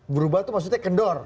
berubah itu maksudnya kendor